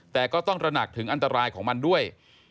แต่ก็ต้องตระหนักถึงอันตรายของมันด้วย